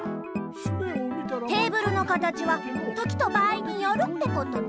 テーブルの形は時と場合によるってことね。